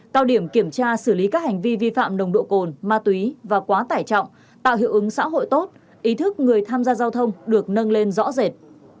cao điểm kiểm tra xử lý các hành vi vi phạm nồng độ cồn ma túy và quá tải trọng tạo hiệu ứng xã hội tốt ý thức người tham gia giao thông được nâng lên rõ rệt